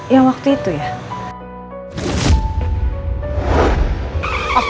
yang waktu itu ya